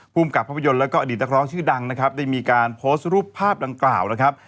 ภูมิกับภาพยนตร์แล้วก็อดีตนักร้องชื่อดังนะครับได้มีการโพสต์รูปภาพดังกล่าวนะครับ